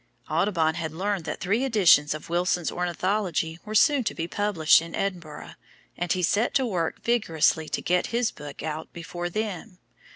Audubon had learned that three editions of Wilson's "Ornithology" were soon to be published in Edinburgh, and he set to work vigorously to get his book out before them.